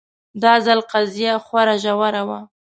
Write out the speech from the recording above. دا ځل قضیه خورا ژوره وه